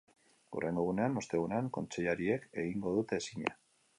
Hurrengo egunean, ostegunean, kontseilariek egingo dute zina.